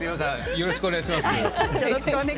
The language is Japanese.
よろしくお願いします。